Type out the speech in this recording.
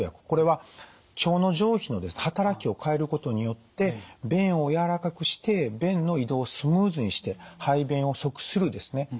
これは腸の上皮の働きを変えることによって便を軟らかくして便の移動をスムーズにして排便をそくするですね